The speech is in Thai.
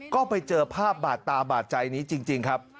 ก็ไปเจอภาพบาดตาบาดใจนี้จริงครับ